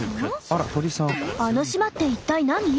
あの島って一体なに？